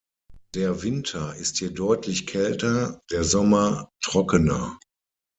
Der Winter ist hier deutlich kälter, der Sommer trockener.